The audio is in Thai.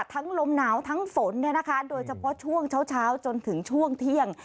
ทั้งลมหนาวทั้งฝนโดยเฉพาะช่วงเช้าจนถึงช่วงเที่ยง